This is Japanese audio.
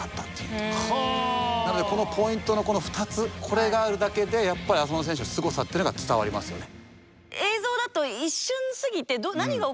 なのでポイントのこの２つこれがあるだけでやっぱり浅野選手のすごさというのが伝わりますよね。